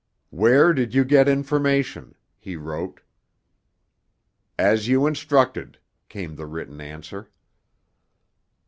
"Where did you get information?" he wrote. "As you instructed," came the written answer.